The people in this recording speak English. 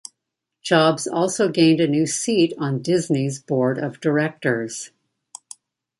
Jobs also gained a new seat on Disney's board of directors.